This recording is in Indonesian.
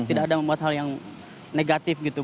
tidak ada membuat hal yang negatif gitu